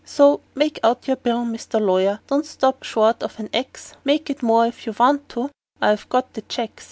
So make out your bill, Mr. Lawyer: don't stop short of an X; Make it more if you want to, for I have got the checks.